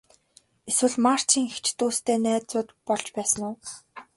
Эсвэл Марчийн эгч дүүстэй найзууд болж байсан уу?